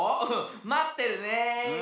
まってるね。